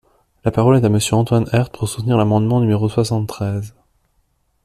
La parole est à Monsieur Antoine Herth, pour soutenir l’amendement numéro soixante-treize.